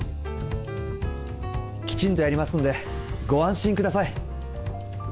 きちんとやりますんで、ご安心ください。